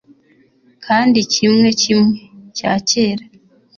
Kandi kimwe kimwe cyakera